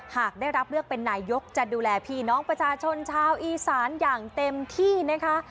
หากได้รับเลือกเป็นนายกจะดูแลพี่น้องประชาชนชาวอีสานอย่างเต็มที่นะคะ